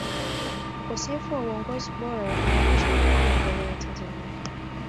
ukosefu wa uongozi bora unarudisha nyuma maendeleo ya tanzania